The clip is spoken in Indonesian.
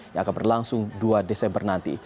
yang akan berlangsung dua desember nanti